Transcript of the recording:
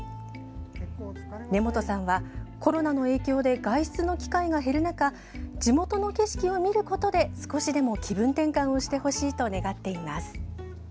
根本さんは、コロナの影響で外出の機会が減る中地元の景色を見ることで少しでも気分転換をしてほしいと願っています。